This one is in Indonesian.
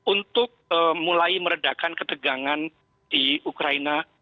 untuk mulai meredakan ketegangan di ukraina